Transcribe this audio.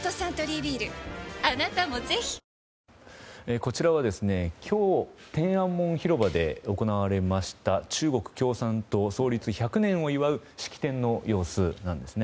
こちらは今日天安門広場で行われました中国共産党創立１００周年を祝う式典の様子なんですね。